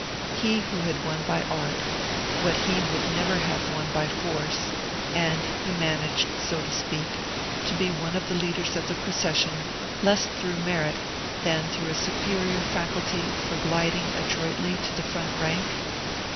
He who had won by art what he would never have won by force, and who had managed, so to speak, to be one of the leaders of the procession less through merit than through a superior faculty for gliding adroitly to the front rank?